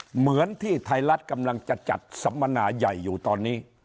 เหมือนที่ไทยรัฐกำลังจะจัดสัมมนาใหญ่อยู่ตอนนี้